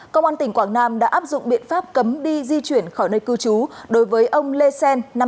công an tỉnh quảng nam đã áp dụng biện pháp cấm đi di chuyển khỏi nơi cư trú đối với ông lê sen